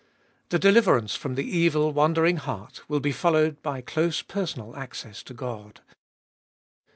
The deliverance from the evil, wandering heart, will be followed by close personal access to God.